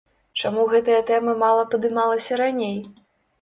Чаму гэтая тэма мала падымалася раней?